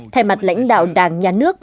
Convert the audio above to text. thay mặt lãnh đạo đảng nhà nước